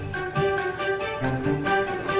tapi apaan orang lainnya